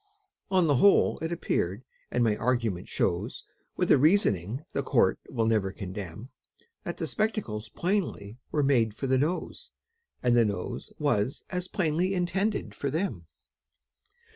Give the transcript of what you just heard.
On the whole it appears, and my argument shows With a reasoning the court will never condemn, That the spectacles plainly were made for the Nose, And the Nose was as plainly intended for them.